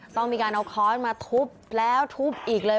ต้องมีการเอาค้อนมาทุบแล้วทุบอีกเลย